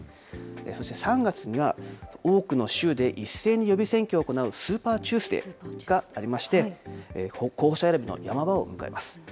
そして３月が多くの州で一斉に予備選挙を行うスーパーチューズデーがありまして、候補者選びの山場を迎えます。